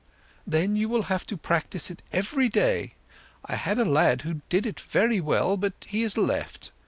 "Then you will have to practise it every day. I had a lad who did it very well, but he has left.